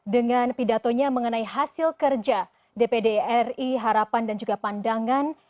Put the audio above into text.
dengan pidatonya mengenai hasil kerja dpd ri harapan dan juga pandangan